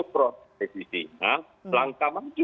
resisinya langkah maju